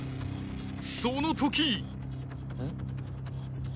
その時ん？